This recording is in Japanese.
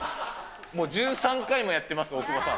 もう１３回もやってます、大久保さん。